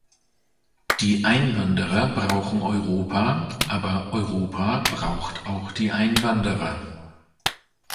Die Einwanderer brauchen Europa, aber Europa braucht auch die Einwanderer.